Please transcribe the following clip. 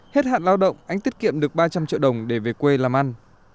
hết hạn lao động anh tiết kiệm được ba trăm linh triệu đồng để về quê làm ăn